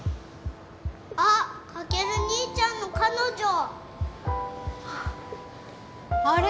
あっカケル兄ちゃんの彼女あれ？